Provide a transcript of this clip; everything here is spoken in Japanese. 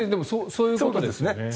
そういうことですよね。